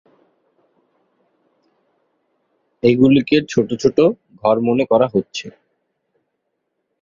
এগুলিকে ছোটো ছোটো ঘর মনে করা হচ্ছে।